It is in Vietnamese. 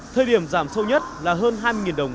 thời điểm giảm sâu nhất là hơn hai mươi đồng